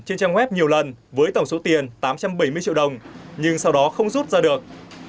trên trang web nhiều lần với tổng số tiền tám trăm bảy mươi triệu đồng nhưng sau đó không rút ra được